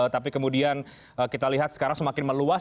tapi kemudian kita lihat sekarang semakin meluas